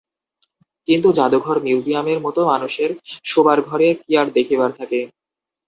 কিন্তু জাদুঘর মিউজিয়মের মতো মানুষের শোবার ঘরে কী আর দেখিবার থাকে?